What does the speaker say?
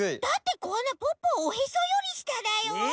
だってこんなポッポおへそよりしただよ。